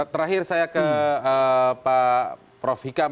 terakhir saya ke pak prof hikam